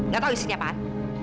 gak tau isinya apaan